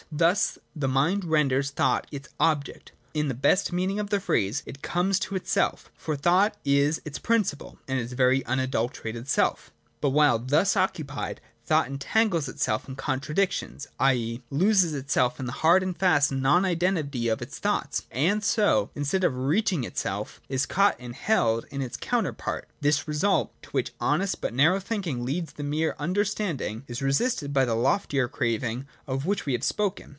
Thus tiie mind renders thought its object. In the best meaning of the phrase, it comes to itself; for thought is its prin ciple, and its very unadulterated self But while thus occupied, thought entangles itself in contradictions, i. e. loses itself in the hard and fast non identity of its thoughts, and so, instead of reaching itself, is caught and held in its counterpart. This result, to which honest but narrow thinking leads the mere under standing, is resisted by the loftier craving of which we have spoken.